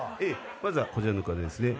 まずはこちらの方ですね。